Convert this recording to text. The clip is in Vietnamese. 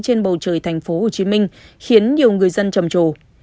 trên bầu trời tp hcm khiến nhiều người dân trầm trồ